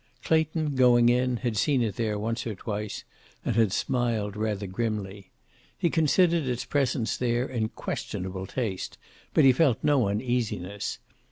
Clayton, going in, had seen it there once or twice, and had smiled rather grimly. He considered its presence there in questionable taste, but he felt no uneasiness.